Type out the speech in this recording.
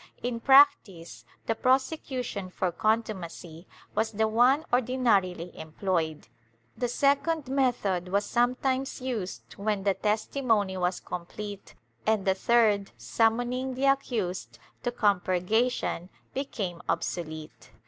In practice, the prosecution for con tumacy was the one ordinarily employed; the second method was sometimes used when the testimony was complete and the third, summoning the accused to compurgation, became obsolete.